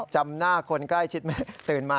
จำหน้าคนใกล้ชิดไหมตื่นมา